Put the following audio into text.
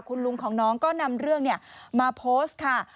คุณลุงของน้องก็นำเรื่องมาโพสต์ค่ะ